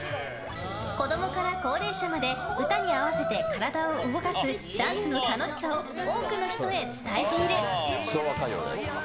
子供がか高齢者まで歌に合わせて体を動かすダンスの楽しさを多くの人へ伝えている。